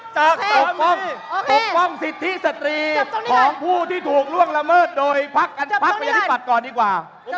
จะปกป้องปกป้องสิทธิสตรีของผู้ที่ถูกล่วงละเมิดโดยพักประชาธิปัตย์ก่อนดีกว่า